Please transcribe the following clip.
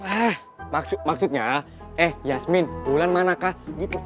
eh maksudnya eh yasmin wulan mana kak gitu